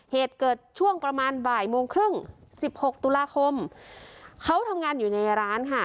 เหตุเกิดช่วงประมาณบ่ายโมงครึ่งสิบหกตุลาคมเขาทำงานอยู่ในร้านค่ะ